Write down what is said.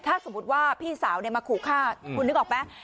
ถ้าสมมุติว่าพี่สาวมาขู่ฆ่าคุณนึกออกไหม